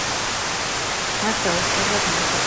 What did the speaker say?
მას დაუსწრებლად მიუსაჯეს სიკვდილი.